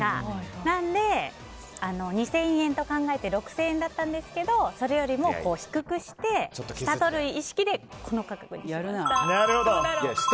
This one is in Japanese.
なので、２０００円と考えて６０００円だったんですけどそれよりも低くして下をとる意識でこの価格にしました。